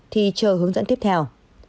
thì chờ hướng dẫn tiếp theo